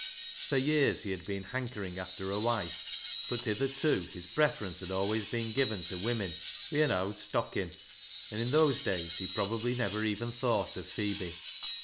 For years he had been hankering after a wife, but hitherto his prefer ence had always been given to women " wi' an owd stockin'," and in those days he probably never even thought of Phebe.